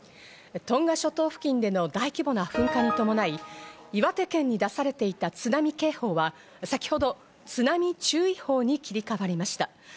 トンガ諸島付近での大規模な噴火に伴い、岩手県に出されていた津波警報は、先ほど、津波注意報に切り替わりました。